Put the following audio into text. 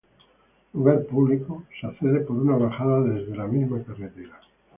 Lugar público, se accede por una bajada desde la misma carretera.